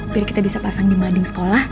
biar kita bisa pasang di mading sekolah